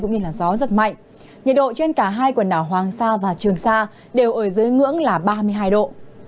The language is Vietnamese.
nhiệt độ trên cả hai quần đảo hoàng sa và trường sa đều ở dưới ngưỡng là ba mươi hai độ